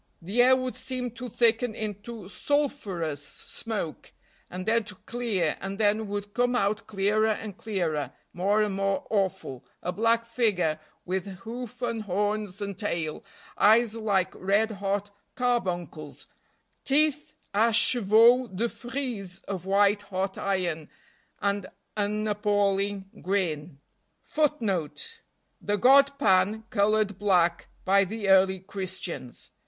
The air would seem to thicken into sulfurous smoke, and then to clear, and then would come out clearer and clearer, more and more awful, a black figure with hoof and horns and tail, eyes like red hot carbuncles, teeth a chevaux de frise of white hot iron, and an appalling grin.* * The god Pan colored black by the early Christians.